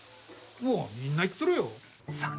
もうみんな言っとるよ。